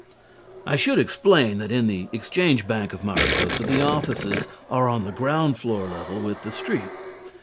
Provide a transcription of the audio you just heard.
I should explain that in the Exchange Bank of Mariposa the offices are on the ground floor level with the street.